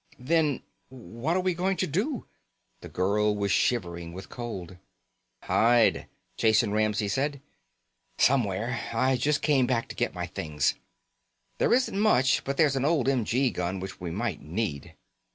"Then what are we going to do?" The girl was shivering with cold. "Hide," Jason Ramsey said. "Somewhere. I just came back to get my things. There isn't much, but there's an old m.g. gun which we might need."